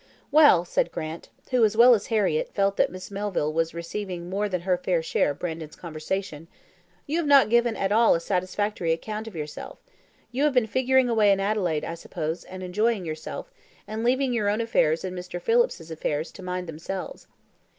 "Well," said Grant, who, as well as Harriett, felt that Miss Melville was receiving more than her fair share of Brandon's conversation, "you have not given at all a satisfactory account of yourself. You have been figuring away in Adelaide, I suppose, and enjoying yourself, and leaving your own affairs and Mr. Phillips's affairs to mind themselves."